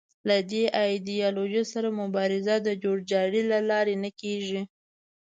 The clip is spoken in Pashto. له دې ایدیالوژۍ سره مبارزه د جوړ جاړي له لارې نه کېږي